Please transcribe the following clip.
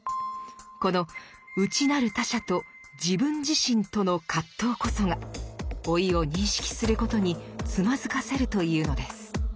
この内なる他者と自分自身との葛藤こそが老いを認識することにつまずかせるというのです。